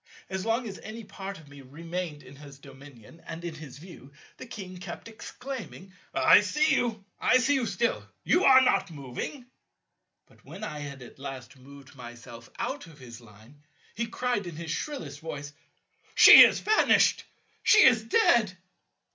As long as any part of me remained in his dominion and in his view, the King kept exclaiming, "I see you, I see you still; you are not moving." But when I had at last moved myself out of his Line, he cried in his shrillest voice, "She is vanished; she is dead."